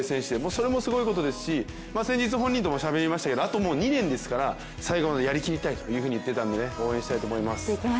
それもすごいことですし先日、本人ともしゃべりましたけどあともう２年ですから最後までやりきりたいと言っていたので応援したいと思います。